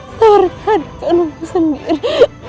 tau rehatkanmu sendiri